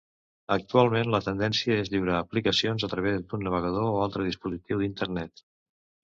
Actualment, la tendència és lliurar aplicacions a través d'un navegador o altre dispositiu d'internet.